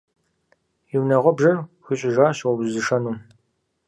И унагъуэбжэр хуищӏыжащ уэ узышэнум.